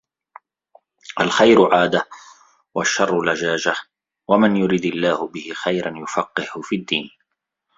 الْخَيْرُ عَادَةٌ وَالشَّرُّ لَجَاجَةٌ وَمَنْ يُرِدْ اللَّهُ بِهِ خَيْرًا يُفَقِّهْهُ فِي الدِّينِ